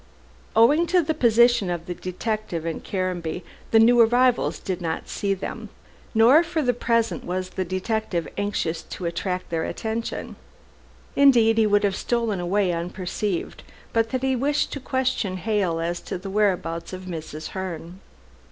Owing to the position of the detective and Caranby, the new arrivals did not see them. Nor for the present was the detective anxious to attract their notice. Indeed, he would have stolen away unperceived, but that he wished to question Hale as to the whereabouts of Mrs. Herne.